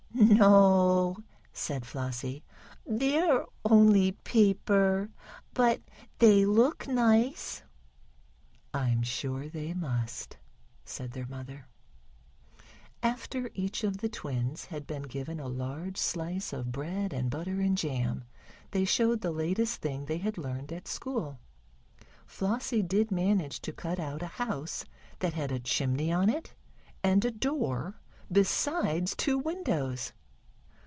"No," said Flossie, "they're only paper, but they look nice." "I'm sure they must," said their mother. After each of the twins had been given a large slice of bread and butter and jam, they showed the latest thing they had learned at school. Flossie did manage to cut out a house, that had a chimney on it, and a door, besides two windows.